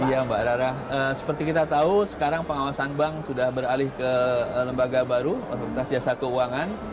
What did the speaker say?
iya mbak rara seperti kita tahu sekarang pengawasan bank sudah beralih ke lembaga baru otoritas jasa keuangan